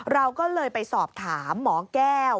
เราก็เลยไปสอบถามหมอแก้ว